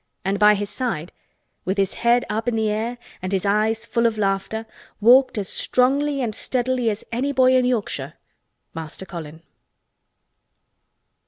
And by his side with his head up in the air and his eyes full of laughter walked as strongly and steadily as any boy in Yorkshire—Master Colin!